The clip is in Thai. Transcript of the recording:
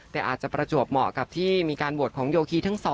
แต่อาจจะประจวบเหมาะกับที่มีการบวชของโยคีทั้ง๒